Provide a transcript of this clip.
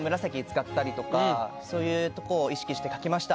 そういうとこを意識して描きました。